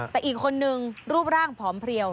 แต่อีกคนนึงรูปร่างผอมเพลียว